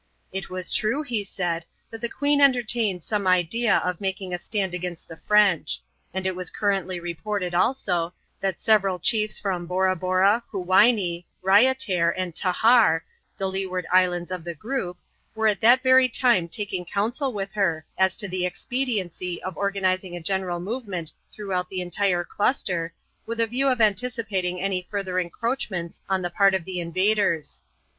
It was true, he said, that the queen entertained some idea of making a stand against the French ; and it was currently re ported, also, that several chiefs from Borabora, Huwyenee, Raiatair, and Tahar, the leeward islands of the group, were at that very time taking counsel with her, as to the expediency of organizing a general movement throughout the entire cluster, with a view of anticipating any further encroachments on the part of the invaders.